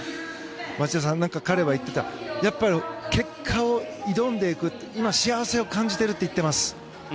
町田さん、彼は言っていたやっぱり結果を挑んでいく今、幸せを感じているといっています。